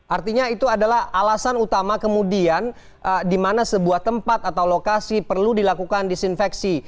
artinya itu adalah alasan utama kemudian di mana sebuah tempat atau lokasi perlu dilakukan disinfeksi